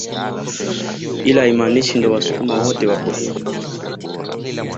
Ila haimaanishi ndo wasukuma wote wapo hivyo